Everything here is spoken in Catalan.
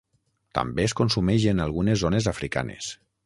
També es consumeix en algunes zones africanes.